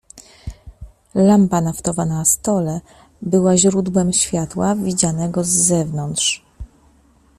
"Lampa naftowa na stole była źródłem światła, widzianego z zewnątrz."